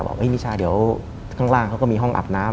มิชาเดี๋ยวข้างล่างเขาก็มีห้องอาบน้ำ